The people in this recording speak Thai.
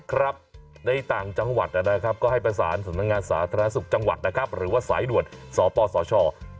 ครับในต่างจังหวัดก็ให้ประสานสนับงานสาธารณสุขจังหวัดหรือว่าสายด่วนสปสช๑๓๓๐